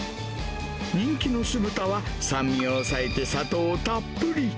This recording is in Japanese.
人気の酢豚は、酸味を抑えて砂糖をたっぷり。